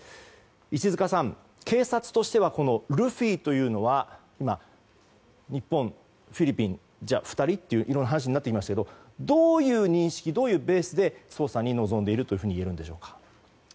石塚さん、警察としてはルフィというのは今、日本やフィリピンに２人？という話になっていますがどういう認識、ベースで捜査に臨んでいるといえるんでしょうか。